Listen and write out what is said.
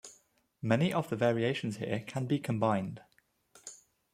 Many of the variations here can be combined.